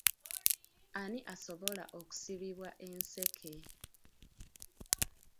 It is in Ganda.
Ani asobola okusibibwa enseke?